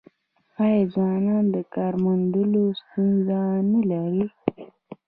آیا ځوانان د کار موندلو ستونزه نلري؟